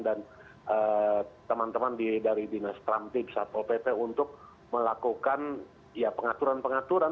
dan teman teman dari dinas tram tipsat opp untuk melakukan pengaturan pengaturan